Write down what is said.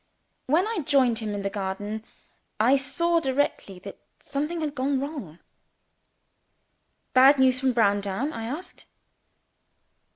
When I joined him in the garden, I saw directly that something had gone wrong. "Bad news from Browndown?" I asked.